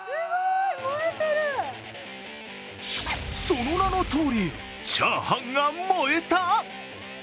その名のとおりチャーハンが燃えた！